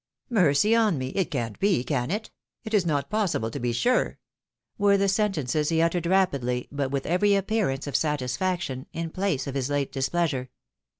" Mercy on me ! It can't be, can it ? It is not possible, to be sure !" were the sentences he uttered rapidly, but with every appearance of satisfaction, in place of his late displeasure.